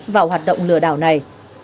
vào hoạt động lừa đảo này